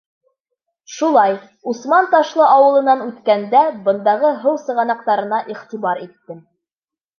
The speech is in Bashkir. Шулай, Усман-Ташлы ауылынан үткәндә, бындағы һыу сығанаҡтарына иғтибар иттем.